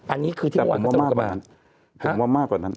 อันนี้คือที่ว่าผมว่ามากกว่านั้น